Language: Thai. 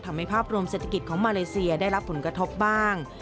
ภาพรวมเศรษฐกิจของมาเลเซียได้รับผลกระทบบ้าง